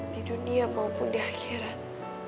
di dunia maupun di akhirat